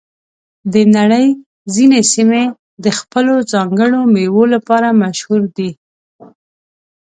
د نړۍ ځینې سیمې د خپلو ځانګړو میوو لپاره مشهور دي.